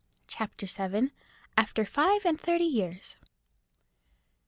CHAPTER VII. AFTER FIVE AND THIRTY YEARS.